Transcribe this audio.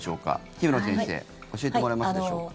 姫野先生教えてもらえますでしょうか。